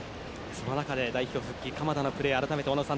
その中で代表復帰、鎌田のプレー。